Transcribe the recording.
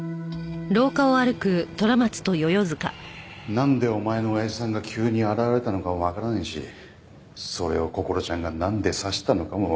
なんでお前の親父さんが急に現れたのかもわからんしそれをこころちゃんがなんで刺したのかもわからん。